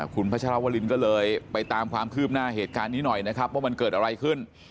คุณพัชรวรินก็เลยไปตามความคืบหน้าเหตุการณ์นี้หน่อยนะครับว่ามันเกิดอะไรขึ้น